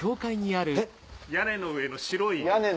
屋根の上の白い。